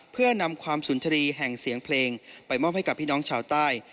เพื่อนำความสุนทรีย์แห่งเสียงเพลงไปมอบให้กับพี่น้องชาวใต้